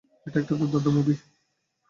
এটা একটা দুর্দান্ত মুভি।